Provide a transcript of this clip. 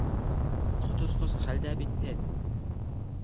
Ҡот осҡос хәлдә бит һеҙ!